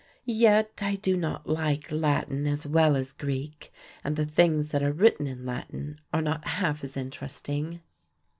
Yet I do not like Latin as well as Greek, and the things that are written in Latin are not half as interesting."